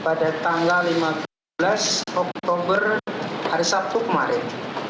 pada tanggal lima belas oktober hari sabtu kemarin